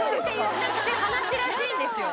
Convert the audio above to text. って話らしいんですよ